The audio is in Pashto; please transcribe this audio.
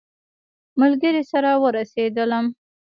ملګري سره ورسېدلم.